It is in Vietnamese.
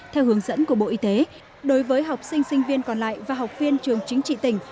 theo hướng dẫn của bộ y tế đối với học sinh sinh viên còn lại và học viên trường chính trị tỉnh